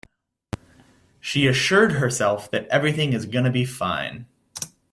She assured herself that everything is gonna be fine.